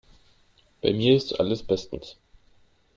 Bei mir ist alles bestens.